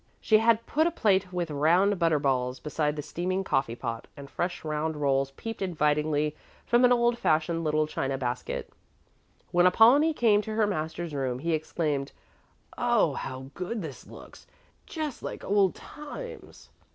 She had put a plate with round butter balls beside the steaming coffee pot, and fresh round rolls peeped invitingly from an old fashioned little china basket. When Apollonie came to her master's room, he exclaimed, "Oh, how good this looks! Just like old times."